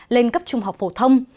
lên cấp trung học phổ thông